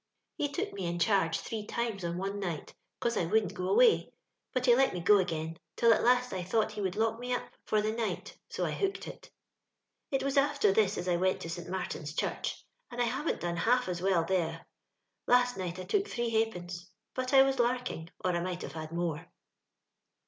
He took me in charge three times on one night, cause I wouldn't go away ; but ho let me go again, till at h»st I thought lie would lock me up for the night, so I hooked it. *' It was after this as I went to St. Martin's Church, and I haven't done half as well there. Last night I took three ha'pence; but I was larking, or I might have hod more."